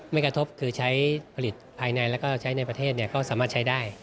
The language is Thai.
ไม่กระทบคือใช้ผลิตภายในแล้วก็ใช้ในประเทศก็สามารถใช้ได้